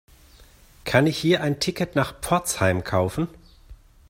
Kann ich hier ein Ticket nach Pforzheim kaufen?